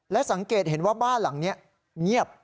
และสังเกตเห็นว่าบ้านหลังนี้เงียบ